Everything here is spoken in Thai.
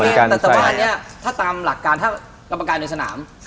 แต่ตัวนี้ที่หัวกรรมการกำเนินสนาม